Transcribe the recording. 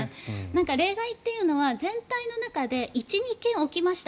例外というのは全体の中で１２件起きました